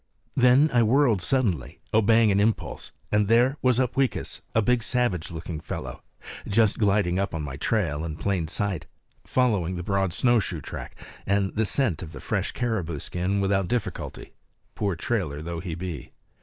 Then I whirled suddenly, obeying an impulse; and there was Upweekis, a big, savage looking fellow, just gliding up on my trail in plain sight, following the broad snowshoe track and the scent of the fresh caribou skin without difficulty, poor trailer though he be.